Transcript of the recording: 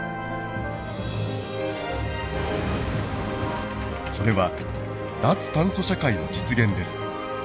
それは脱炭素社会の実現です。